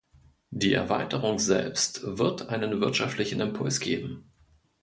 Die Erweiterung selbst wird einen wirtschaftlichen Impuls geben.